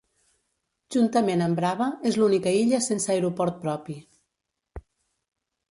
Juntament amb Brava, és l'única illa sense aeroport propi.